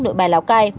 nội bài lào cai